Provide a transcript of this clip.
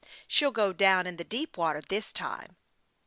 She'll go down in the deep water this time."